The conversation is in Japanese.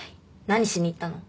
何しに行ったの？